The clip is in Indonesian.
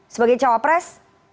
sebagai cowok pres